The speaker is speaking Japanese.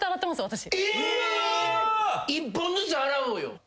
１本ずつ洗おうよ。